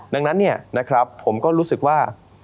ดังนั้นเนี่ยนะครับผมก็รู้สึกว่า